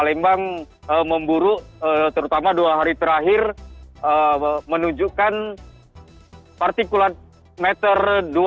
palembang memburu terutama dua hari terakhir menunjukkan partikulan meter dua lima